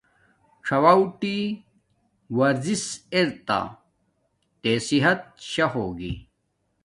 څݹٹی ورزش ارتا تے صحت شا ہوگی